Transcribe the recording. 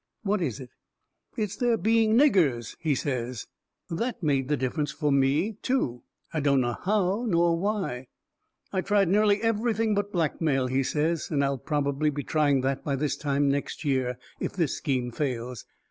"What is it?" "It's their being NIGGERS," he says. That made the difference fur me, too. I dunno how, nor why. "I've tried nearly everything but blackmail," he says, "and I'll probably be trying that by this time next year, if this scheme fails.